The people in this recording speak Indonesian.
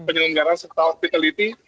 dan penyelenggaraan sekalipun hospitaliti